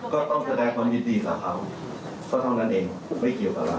ก็ต้องแสดงความยินดีกับเขาก็เท่านั้นเองไม่เกี่ยวกับเรา